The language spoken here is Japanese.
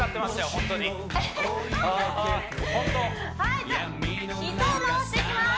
ホントはいじゃあ膝を回していきます